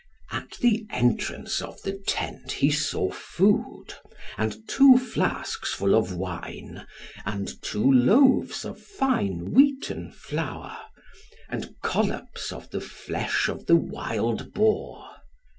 At the entrance of the tent he saw food, and two flasks full of wine, and two loaves of fine wheaten flour, and collops of the flesh of the wild boar.